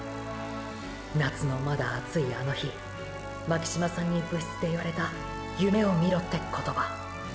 夏のまだ暑いあの日巻島さんに部室で言われた「夢を見ろ」って言葉。